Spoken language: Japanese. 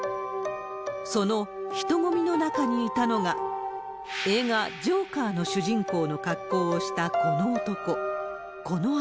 その人混みの中にいたのが、映画、ジョーカーの主人公の格好をしたこの男。